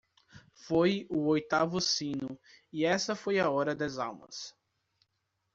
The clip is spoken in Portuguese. Foi o oitavo sino e essa foi a hora das almas.